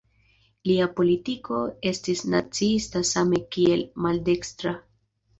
Lia politiko estis naciista same kiel maldekstra.